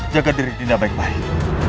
jaga diri dinda baik baik